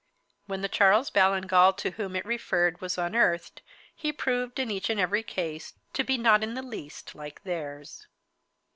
When the Charles Ballingall to whom it referred was unearthed, he proved, in each and every case, to be not in the least like theirs.